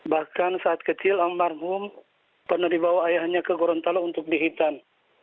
bahkan saat kecil almarhum pernah dibawa ayahnya ke gorontalo untuk dihitan